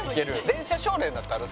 電車少年だったの？